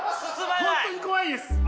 本当に怖いです。